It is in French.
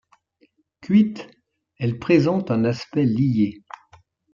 Cuite, elle présente un aspect lié.